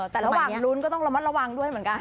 แต่ระหว่างลุ้นก็ต้องระมัดระวังด้วยเหมือนกัน